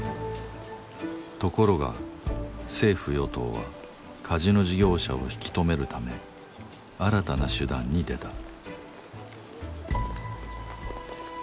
ところが政府・与党はカジノ事業者を引き留めるため新たな手段に出た。